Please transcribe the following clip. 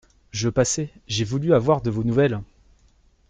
Je passais, j'ai voulu avoir de vos nouvelles.